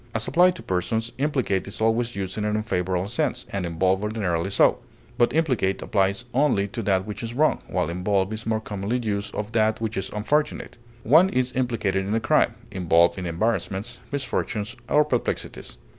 As applied to persons, implicate is always used in an unfavorable sense, and involve ordinarily so; but implicate applies only to that which is wrong, while involve is more commonly used of that which is unfortunate; one is implicated in a crime, involved in embarrassments, misfortunes, or perplexities.